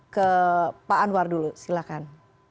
ke pak anwar dulu silakan